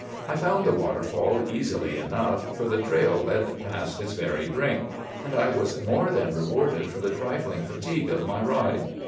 I found the waterfall easily enough, for the trail led past its very brink, and I was more than rewarded for the trifling fatigue of my ride.